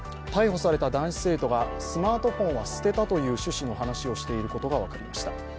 逮捕された男子生徒がスマートフォンは捨てたという趣旨の話をしていることが分かりました。